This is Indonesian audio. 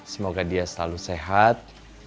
semoga dia selalu sehat